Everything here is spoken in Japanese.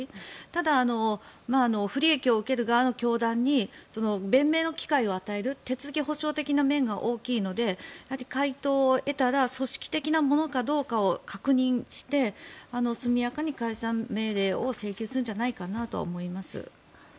ただ、不利益を受ける側の教団に弁明の機会を与える手続き保証的な面が大きいので回答を得たら組織的なものかどうかを確認して、速やかに解散命令を請求するんじゃないかなと思います。